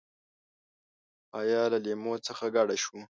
له حیا له لیمو څخه کډه شو.